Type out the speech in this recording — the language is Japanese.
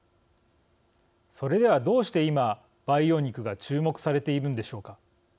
それでは、どうして今、培養肉が注目されているんでしょうか。